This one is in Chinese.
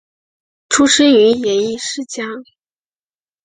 出身于演艺世家。